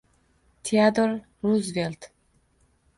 Teodor Ruzvel`t